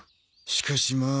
しかしまあ